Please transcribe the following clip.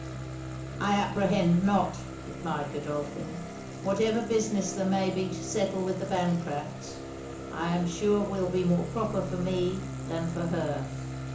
'I apprehend not,' replied Godolphin. 'Whatever business there may be to settle with the Bancrafts, I am sure will be more proper for me than for her.